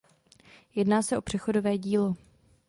Jedná se o přechodové dílo.